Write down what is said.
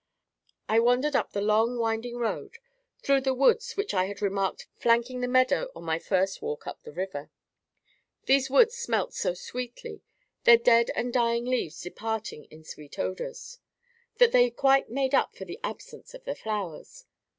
I wandered up the long winding road, through the woods which I had remarked flanking the meadow on my first walk up the river. These woods smelt so sweetly—their dead and dying leaves departing in sweet odours—that they quite made up for the absence of the flowers.